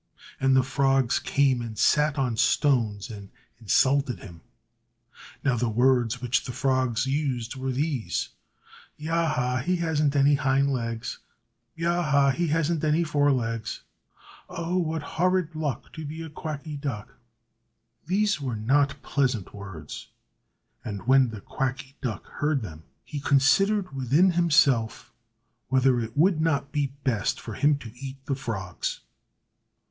And the frogs came and sat on stones and insulted him. Now the words which the frogs used were these, "Ya! ha! he hasn't any hind legs! Ya! ha! he hasn't any fore legs! Oh! what horrid luck To be a Quacky Duck!" These were not pleasant words. And when the Quacky Duck heard them, he considered within himself whether it would not be best for him to eat the frogs.